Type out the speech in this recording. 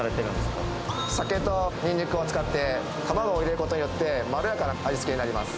酒とニンニクを使って卵を入れることによってまろやかな味付けになります。